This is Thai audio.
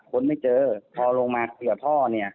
คนไม่เจอพอลงมาคุยกับพ่อเนี่ย